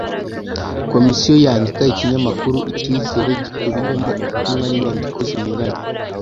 komisiyo yandika ikinyamakuru icyizere gikubiyemo ubutumwa n inyandiko zinyuranye